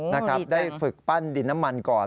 นะครับได้ฝึกปั้นดินน้ำมันก่อน